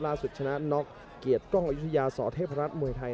ล่าสุดชนะน็อคเกียรติกล้องอยุธยาสอเทพรัสมวยไทย